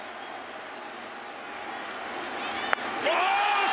よし！